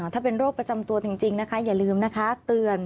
ถ้าเป็นโรคประจำตัวจริงนะคะอย่าลืมนะคะเตือน